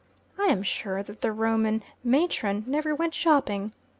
I am sure that the Roman matron never went shopping.